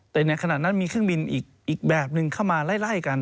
แต่ในขณะนั้นมีเครื่องบินอีกแบบนึงเข้ามาไล่กัน